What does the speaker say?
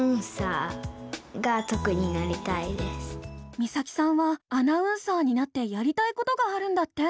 実咲さんはアナウンサーになってやりたいことがあるんだって。